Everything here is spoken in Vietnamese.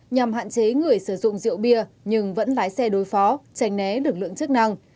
nhằm hạn chế người sử dụng rượu bia nhưng vẫn lái xe đối phó tranh né lực lượng chức năng